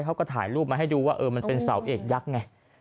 เขาก็ถ่ายรูปมาให้ดูว่ามันเป็นเสาเอกยักษ์ไง